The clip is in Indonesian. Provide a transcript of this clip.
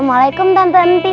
assalamualaikum tan ten tin